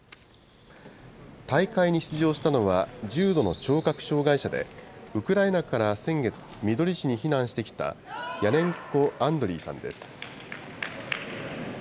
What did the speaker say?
大会に出場したのは、重度の聴覚障害者で、ウクライナから先月、みどり市に避難してきたヤネンコ・アンドリィさんです。